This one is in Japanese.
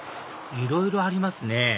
いろいろありますね